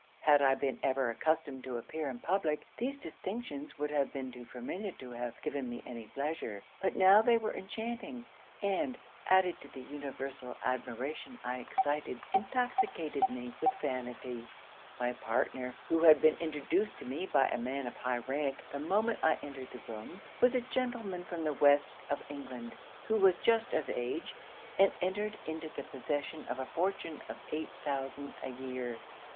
Had I been ever accustomed to appear in public, these distinctions would have been too familiar to have given me any pleasure; but now they were enchanting; and, added to the universal admiration I excited, intoxicated me with vanity. My partner, who had been introduced to me by a man of high rank the moment I entered the room, was a gentleman from the West of England, who was just of age, and entered into the possession of a fortune of eight thousand a year. 'Mr.